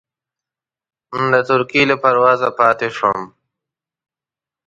د ترکیې له پروازه پاتې شوم.